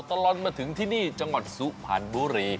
ตลอดมาถึงที่นี่จังหวัดสุพรรณบุรี